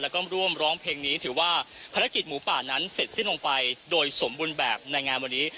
แล้วก็ร่วมร้องเพลงนี้ถือว่าภารกิจหมูป่านั้นเสร็จสิ้นลงไปโดยสมบูรณ์แบบในงานวันนี้